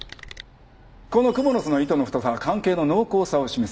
このクモの巣の糸の太さは関係の濃厚さを示す。